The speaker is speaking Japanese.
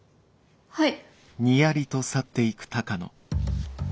はい。